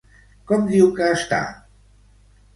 Com diu que està?